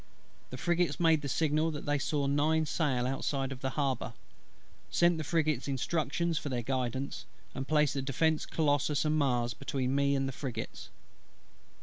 The frigates made the signal that they saw nine sail outside the harbour. Sent the frigates instructions for their guidance; and placed the Defence, Colossus, and Mars, between me and the frigates.